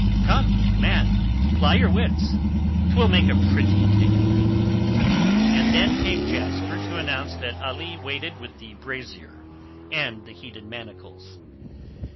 Come, man, ply your wits. 'Twill make a pretty tale." And then came Jasper to announce that Ali waited with the brazier and the heated manacles.